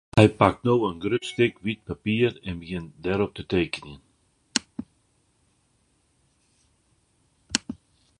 Hy pakt no in grut stik wyt papier en begjint dêrop te tekenjen.